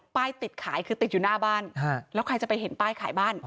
ติดขายคือติดอยู่หน้าบ้านแล้วใครจะไปเห็นป้ายขายบ้าน